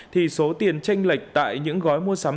thì số tiền tranh lệch tại những gói mua sắm